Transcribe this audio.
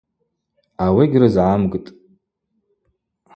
Ауи гьрызгӏамгтӏ.